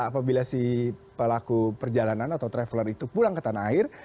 apabila si pelaku perjalanan atau traveler itu pulang ke tanah air